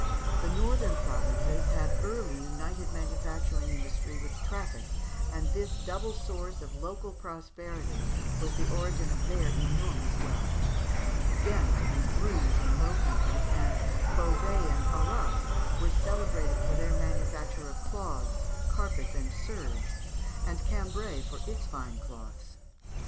The northern provinces had early united manufacturing industry with traffic, and this double source of local prosperity was the origin of their enormous wealth. Ghent and Bruges in the Low Countries, and Beauvais and Arras, were celebrated for their manufacture of cloths, carpets, and serge, and Cambrai for its fine cloths.